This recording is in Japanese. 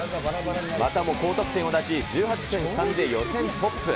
またも高得点を出し、１８．３で予選トップ。